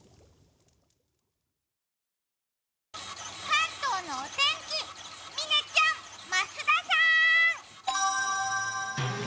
関東のお天気、嶺ちゃん増田さーん。